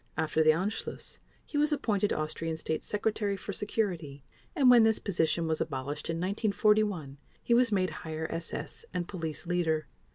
After the Anschluss he was appointed Austrian State Secretary for Security and when this position was abolished in 1941 he was made Higher SS and Police Leader.